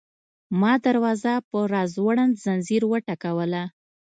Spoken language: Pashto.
ما دروازه په راځوړند ځنځیر وټکوله.